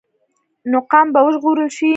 نو قام به وژغورل شي.